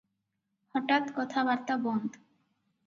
ହଠାତ୍ କଥାବାର୍ତ୍ତା ବନ୍ଦ ।